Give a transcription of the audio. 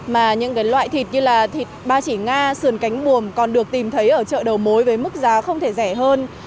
mà những loại thịt như thịt ba chỉ nga sườn cánh buồm còn được tìm thấy ở chợ đầu mối với mức giá không thể rẻ hơn